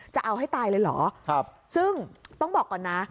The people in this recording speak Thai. จะเอาให้ตายเลยเหรอซึ่งต้องบอกก่อนนะ